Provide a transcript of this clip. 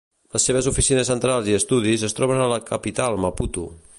Les seves oficines centrals i estudis es troben a la capital, Maputo.